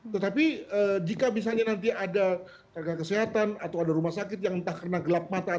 tetapi jika misalnya nanti ada tenaga kesehatan atau ada rumah sakit yang entah karena gelap mata